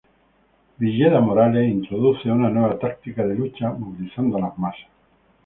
Villeda Morales introduce una nueva táctica de lucha movilizando a las masas.